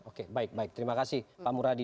oke baik baik terima kasih pak muradi